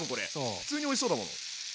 普通においしそうだもん。